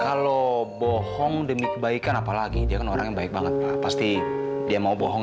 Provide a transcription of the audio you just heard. kalau bohong demi kebaikan apalagi dia kan orang yang baik banget pasti dia mau bohong